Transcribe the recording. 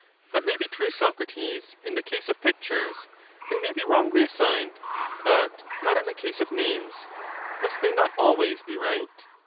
That may be true, Socrates, in the case of pictures ; they may be wrongly assigned ; but not in the case of names — must they not always be right?